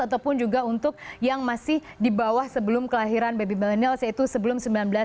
ataupun juga untuk yang masih di bawah sebelum kelahiran baby millennials yaitu sebelum sembilan belas